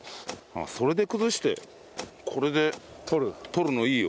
それで崩してこれで取るのいいよ。